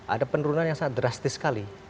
ada penurunan yang sangat drastis sekali